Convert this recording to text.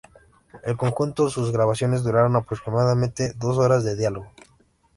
En conjunto, sus grabaciones duraron aproximadamente dos horas de diálogo.